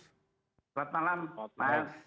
selamat malam pak arief